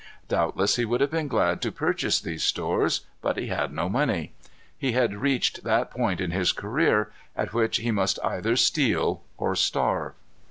Doubtless he would have been glad to purchase these stores. But he had no money. He had reached that point in his career at which he must either steal or starve.